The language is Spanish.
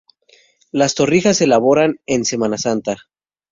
Las torrijas se elaboran en Semana Santa.